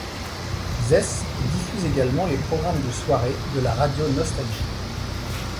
Zes diffuse également les programmes de soirées de la radio Nostalgie.